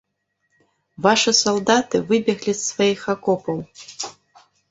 Вашы салдаты выбеглі з сваіх акопаў.